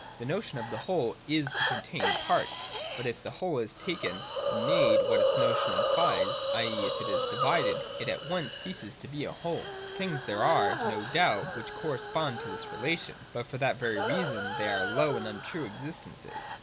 The notion of the whole is to contain parts : but if the whole is taken and made what its notion implies, ;. e. if it is divided, it at once ceases to be a whole. Things there are, no doubt, which correspond to this relation : but for that very reason they are low and untrue existences.